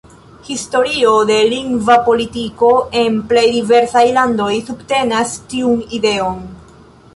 Historio de lingva politiko en plej diversaj landoj subtenas tiun ideon.